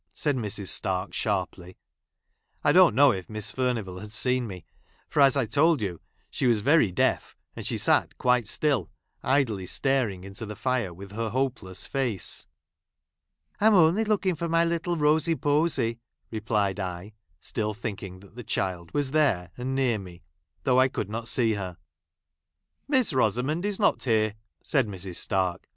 said Mrs. Stark sharply. I don't know if Miss Furnivall had seen me, for, as I told you, she was very deaf, and she sat quite still, idly staring into the fire, with her hopeless face. " I'm only looking for my little Rosy Posy," replied I, still thinking that the child was there, ancl near me, though I could not see her. " Miss Rosamond is not here," said Mrs. Stai'k.